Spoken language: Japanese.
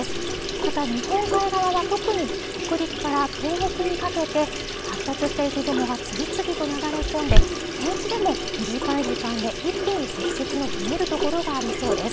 また日本海側特に北陸から東北にかけて発達した雪雲が次々と流れ込んで平地でも短い時間で一気に積雪の増える所がありそうです